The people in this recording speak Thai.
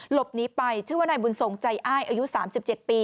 หลบนี้ไปเชื่อว่านายบุญสงฆ์ใจ้อายุ๓๗ปี